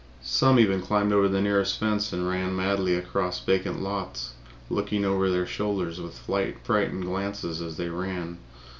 Some even climbed over the nearest fence and ran madly across vacant lots, looking over their shoulders with frightened glances as they ran.